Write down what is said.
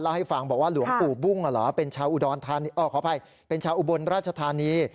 แล้วให้ฟังบอกว่าหลวงปู่บุ้งเหรอเป็นชาวอุบรรณราชธานี